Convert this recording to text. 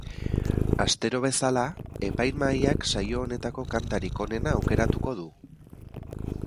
Astero bezala, epaimahaiak saio honetako kantarik onena aukeratuko du.